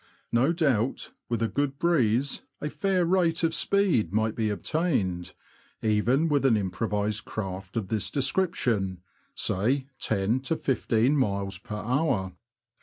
No doubt, with a good breeze, a fair rate of speed might be obtained, even with an improvised craft of this description — say, ten to fifteen miles per hour.